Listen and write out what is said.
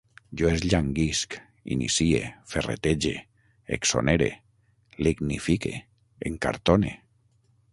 Jo esllanguisc, inicie, ferretege, exonere, lignifique, encartone